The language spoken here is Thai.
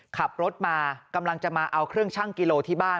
ขับรถมากำลังจะมาเอาเครื่องชั่งกิโลที่บ้าน